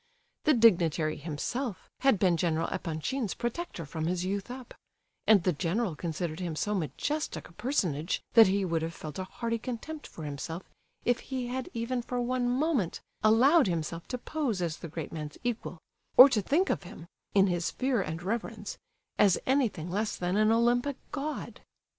The dignitary himself had been General Epanchin's protector from his youth up; and the general considered him so majestic a personage that he would have felt a hearty contempt for himself if he had even for one moment allowed himself to pose as the great man's equal, or to think of him—in his fear and reverence—as anything less than an Olympic God!